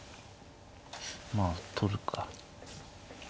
まあ取るか。